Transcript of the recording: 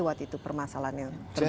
waktu itu permasalahan yang terjadi